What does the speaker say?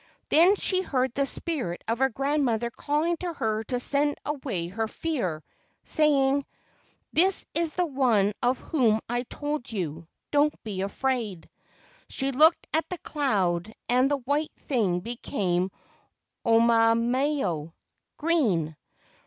Then she heard the spirit of her grandmother calling to her to send away her fear, saying: "This is the one of whom I told you. Don't be afraid." She looked at the cloud, and the white thing became omaomao (green).